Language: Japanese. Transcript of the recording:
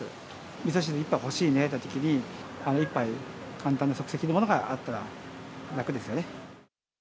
みそ汁１杯欲しいねというときに、一杯、簡単な即席のものがあったら楽ですよね。